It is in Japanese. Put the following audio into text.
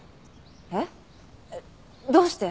えっ？どうして？